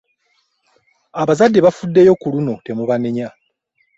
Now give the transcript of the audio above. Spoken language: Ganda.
Abazadde bafuddeyo ku luno temubanenya.